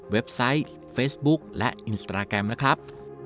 ไซต์เฟซบุ๊คและอินสตราแกรมนะครับ